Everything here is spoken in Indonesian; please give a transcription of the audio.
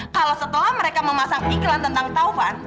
kalau setelah mereka memasang iklan tentang taufan